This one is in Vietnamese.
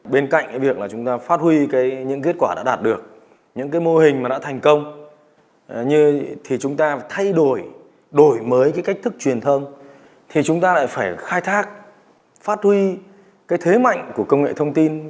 bên cạnh cái việc là chúng ta phát huy những kết quả đã đạt được những cái mô hình mà đã thành công thì chúng ta phải thay đổi đổi mới cái cách thức truyền thông thì chúng ta lại phải khai thác phát huy cái thế mạnh của công nghệ thông tin